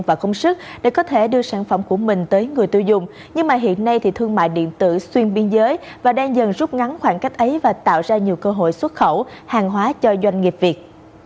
và công sức để có thể đưa sản phẩm của mình tới người tiêu dùng nhưng mà hiện nay thì thương mại điện tử xuyên biên giới và đang dần rút ngắn khoảng cách ấy và tạo ra nhiều cơ hội xuất khẩu hàng hóa cho doanh nghiệp việt